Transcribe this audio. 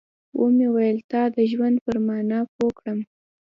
ومې ويل تا د ژوند پر مانا پوه کړم.